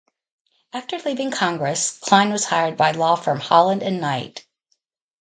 After leaving Congress, Klein was hired by law firm Holland and Knight.